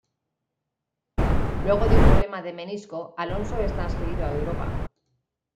Luego de un problema de menisco, Alonso es transferido a Europa.